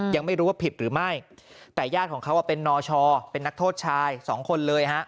ยังไม่รู้ว่าผิดหรือไม่แต่ญาติของเขาเป็นนชเป็นนักโทษชายสองคนเลยฮะ